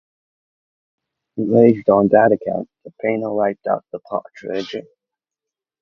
Enraged on that account, the painter wiped out the partridge.